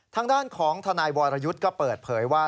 ทางด้านของทนายวรยุทธ์ก็เปิดเผยว่า